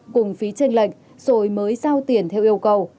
cùng phí tranh lệch rồi mới giao tiền theo yêu cầu